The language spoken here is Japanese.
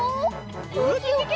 ウキキキ！